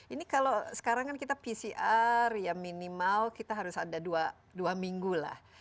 ini kalau sekarang kan kita pcr ya minimal kita harus ada dua minggu lah